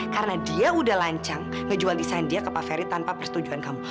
karena dia udah lancang ngejual desain dia ke pak ferry tanpa persetujuan kamu